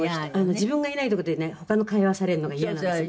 自分がいないとこでね他の会話されるのがイヤなんですよ」